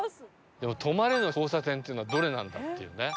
でも「止まれ」の交差点っていうのはどれなんだっていうね。